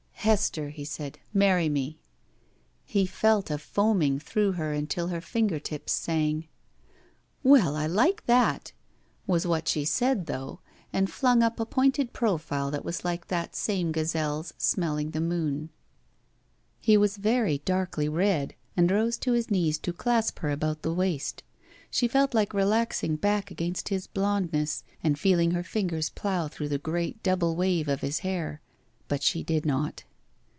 "Hester," he said, "marry me." She felt a foaming through her until her finger tips sang. "Well, I like that!" was what she said, though, and flung up a pointed profile that was like that same gazelle's smelling the moon. 63 BACK PAY He was very darkly red, and rose to his knees to dasp her about the waist. She felt like relaxing back against his blondness and feeling her fingers plow through the great double wave of his hair. But she did not.